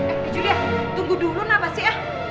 eh eh julia tunggu dulu na' pasti ya